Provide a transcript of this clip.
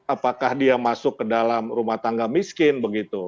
apakah dia masuk ke dalam rumah tangga miskin begitu